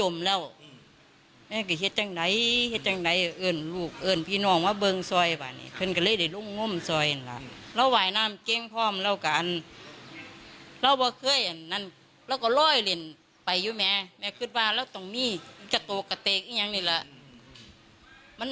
มันหอนมันหอนพวกเบาะนี้แล้วล่วงไปเนี่ย